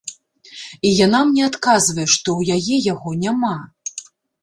І яна мне адказвае, што ў яе яго няма.